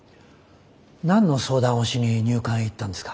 何の相談をしに入管へ行ったんですか？